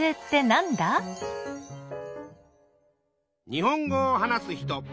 日本語を話す人。